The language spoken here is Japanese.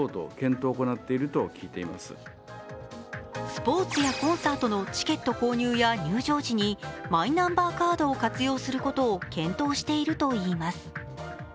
スポーツやコンサートのチケット購入や入場時にマイナンバーカードを活用することを検討しているといいます。